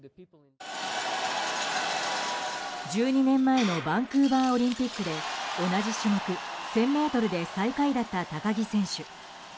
１２年前のバンクーバーオリンピックで同じ種目１０００ｍで最下位だった高木選手。